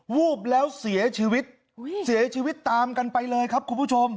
วูบแล้วเสียชีวิตเสียชีวิตตามกันไปเลยครับคุณผู้ชม